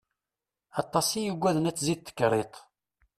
Aṭas i yugaden ad tzid tekriṭ.